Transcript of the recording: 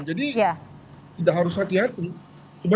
jadi tidak harus hati hati